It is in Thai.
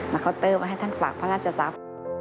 มาเคาน์เตอร์มาให้ท่านฝากพระราชสาว